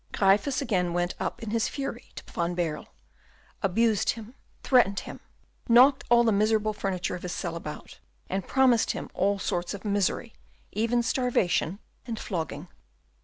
Gryphus again went up in his fury to Van Baerle, abused him, threatened him, knocked all the miserable furniture of his cell about, and promised him all sorts of misery, even starvation and flogging.